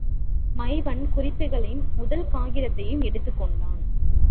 Maiman குறிப்புகளின் முதல் காகிதத்தையும் எடுத்துக் கொண்டான்.